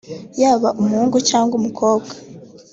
yaba umuhungu cyangwa umukobwa